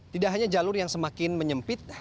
tidak hanya jalur yang semakin menyempit